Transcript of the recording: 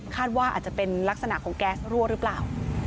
ว่าอาจจะเป็นลักษณะของแก๊สรั่วหรือเปล่า